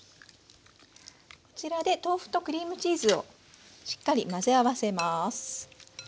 こちらで豆腐とクリームチーズをしっかり混ぜ合わせます。